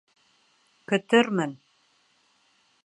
Көтөрмөн.